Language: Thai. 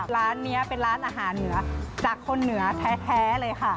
ร้านนี้เป็นร้านอาหารเหนือจากคนเหนือแท้เลยค่ะ